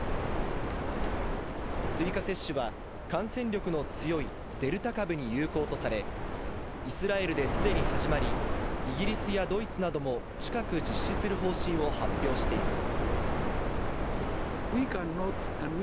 追加接種は感染力の強いデルタ株に有効とされ、イスラエルですでに始まり、イギリスやドイツなども近く、実施する方針を発表しています。